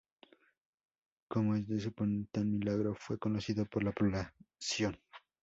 Como es de suponer, tal milagro fue conocido por la población.